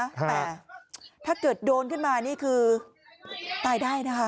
แต่ถ้าเกิดโดนขึ้นมานี่คือตายได้นะคะ